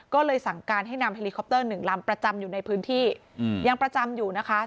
ก็เลยสั่งการให้นำเฮลิคอปเตอร์หนึ่งลำประจำอยู่ในพื้นที่ยังประจำอยู่นะคะ